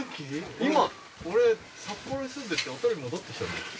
今俺札幌に住んでて小樽戻ってきたんだよ。